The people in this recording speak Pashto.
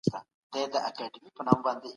زه هر وخت خپل کارونه سم تنظيموم.